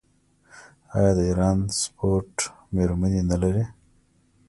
آیا د ایران سپورټ میرمنې نلري؟